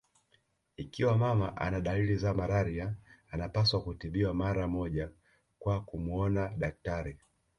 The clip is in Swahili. Ikiwa mama ana dalili za malaria anapaswa kutibiwa mara moja kwa kumuona daktari